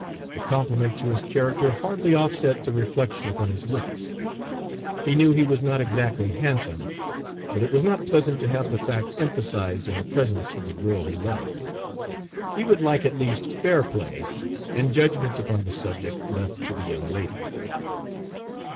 The compliment to his character hardly offset the reflection upon his looks. He knew he was not exactly handsome, but it was not pleasant to have the fact emphasized in the presence of the girl he loved; he would like at least fair play, and judgment upon the subject left to the young lady.